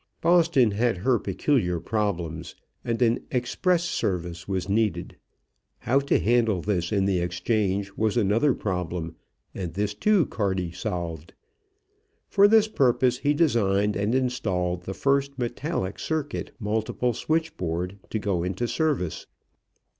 Boston had her peculiar problems and an "express" service was needed. How to handle this in the exchange was another problem, and this, too, Carty solved. For this purpose he designed and installed the first metallic circuit, multiple switchboard to go into service.